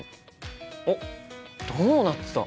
おっドーナツだ！